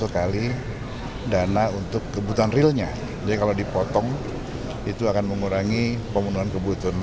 kalau dipotong itu akan mengurangi pemenuhan kebutuhan